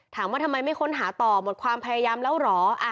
ถามว่าทำไมไม่ค้นหาต่อหมดความพยายามแล้วเหรอ